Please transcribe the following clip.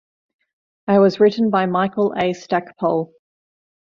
It was written by Michael A. Stackpole.